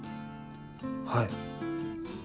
はい。